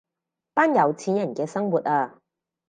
班有錢人嘅生活啊